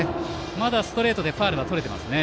まだストレートでファウルがとれていますね。